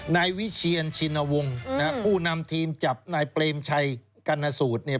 นายวิเชียนชินวงค์ผู้นำทีมจับนายเปรมชัยกัณศูนย์